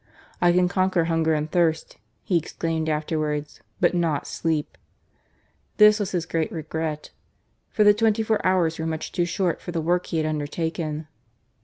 " I can conquer hunger and thirst," he exclaimed afterwards, " but not sleep." This was his great regret, for the twenty four hours were much too short for the work he had undertaken.